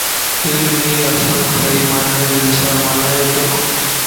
علم ئي اسانک صحيح معني مَ انسان بنائي تو